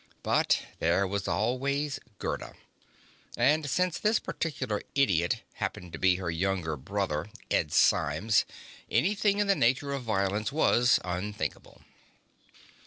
But there was always Gerda. And since this particular idiot happened to be her younger brother, Ed Symes, anything in the nature of violence was unthinkable.